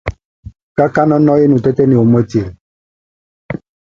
Buesú womɔtɛ́ niɔfɛnɛ niak a mɛ́ nɔkɔ nɔyek, ó ha mɛ nobal o wɔn mba wamía.